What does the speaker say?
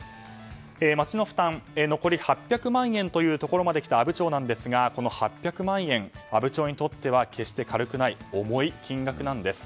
町の負担が残り８００万円というところまできた、阿武町ですがこの８００万円は阿武町にとっては決して軽くない重い金額なんです。